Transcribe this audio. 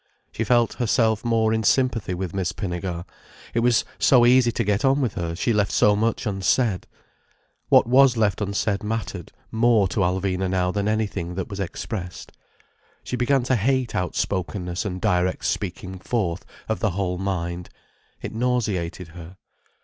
She felt herself more in sympathy with Miss Pinnegar—it was so easy to get on with her, she left so much unsaid. What was left unsaid mattered more to Alvina now than anything that was expressed. She began to hate outspokenness and direct speaking forth of the whole mind. It nauseated her.